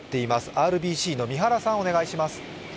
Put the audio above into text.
ＲＢＣの三原さん、お願いします。